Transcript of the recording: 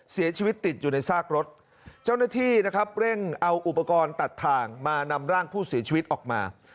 เสียชีวิตติดอยู่ในซากรถเจ้าหน้าที่นะครับเร่งเอาอุปกรณ์ตัดถ่างมานำร่างผู้เสียชีวิตออกมา